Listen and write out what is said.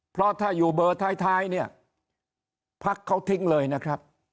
เพราะถ้าอยู่เบอร์ท้ายเนี่ยพักเขาทิ้งเลยนะครับ